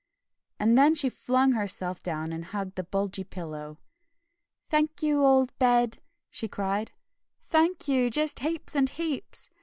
And then she flung herself down and hugged the bulgy pillow. "Thank you, old Bed!" she cried, "thank you, just heaps and heaps!"